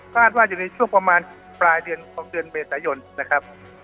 ก็อาจว่าอยู่ในช่วงประมาณปลายเดือนพร้อมเดือนเมษายนนะครับครับ